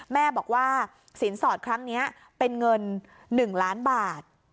แม่บอกว่าสินสอดครั้งนี้เป็นเงิน๑ล้านบาท